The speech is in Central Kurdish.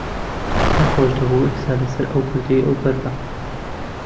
چەند خۆش دەبوو ئێستا لەسەر ئەو گردەی ئەوبەر بام.